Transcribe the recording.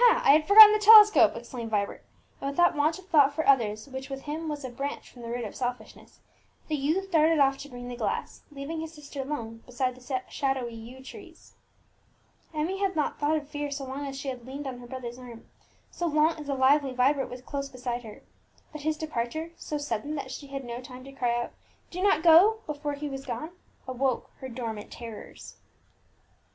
I had forgotten the telescope!" exclaimed Vibert; and with that want of thought for others which with him was a branch from the root of selfishness, the youth darted off to bring the glass, leaving his sister alone beside the shadowy yew trees. Emmie had not thought of fear so long as she had leaned on her brother's arm, so long as the lively Vibert was close beside her; but his departure so sudden, that she had no time to cry "Do not go!" before he was gone awoke her dormant terrors.